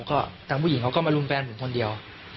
ก็ทางผู้หญิงเขาก็มารุมแฟนผมคนเดียว